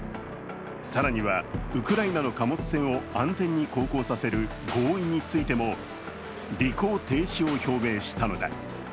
更には、ウクライナの貨物船を安全に航行させる合意についても履行停止を表明したのだ。